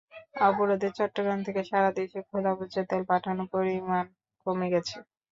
অবরোধে চট্টগ্রাম থেকে সারা দেশে খোলা ভোজ্যতেল পাঠানোর পরিমাণ কমে গেছে।